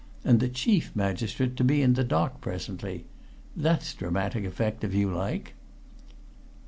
And the chief magistrate to be in the dock presently! That's dramatic effect, if you like!"